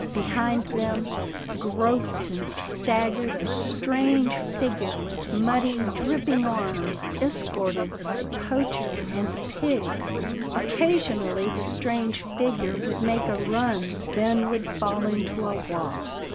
Behind them, groped and staggered a strange figure with muddy, dripping arms, escorted by Poacher and the pigs. Occa 312 'TILDA JANE'S ORPHANS sionally, the strange figure would make a run, then would fall into a walk.